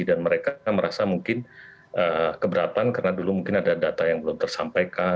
dan mereka merasa mungkin keberatan karena dulu mungkin ada data yang belum tersampaikan